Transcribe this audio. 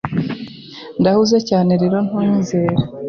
Ndahuze cyane rero ntunyizere.